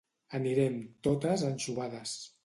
Anirem totes anxovades